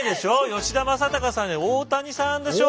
吉田正尚さんじゃ大谷さんでしょう。